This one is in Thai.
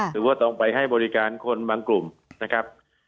หรือว่าต้องไปให้บริการคนบางกลุ่มนะครับ